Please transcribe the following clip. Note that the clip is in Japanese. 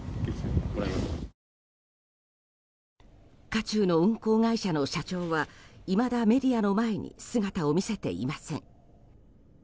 渦中の運航会社の社長はいまだメディアの前に姿を見せていません。